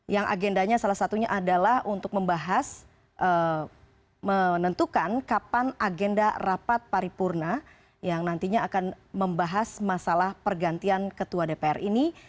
yang agendanya salah satunya adalah untuk membahas menentukan kapan agenda rapat paripurna yang nantinya akan membahas masalah pergantian ketua dpr ini